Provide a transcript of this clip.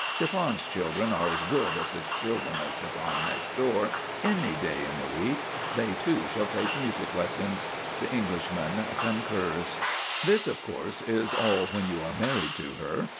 Chiffon's children are as good as the children of Chiffon next door any day in the week they, too, shall take music lessons. The Englishman concurs. This, of course, is all when you are married to her.